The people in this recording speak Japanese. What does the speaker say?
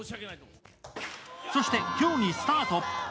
そして競技スタート。